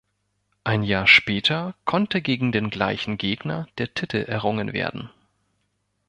Ein Jahr später konnte gegen den gleichen Gegner der Titel errungen werden.